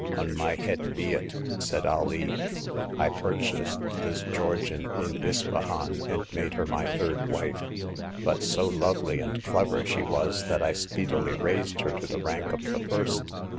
On my head be it !" said Alee, I purchased this Georgian in Ispahan, and made her my third wife ; but so lovely and clever she was, that I speedily raised her to the rank of the first.